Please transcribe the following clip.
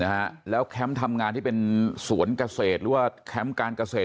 นะฮะแล้วแคมป์ทำงานที่เป็นสวนเกษตรหรือว่าแคมป์การเกษตร